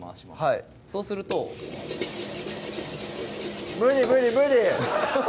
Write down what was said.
はいそうすると無理無理無理！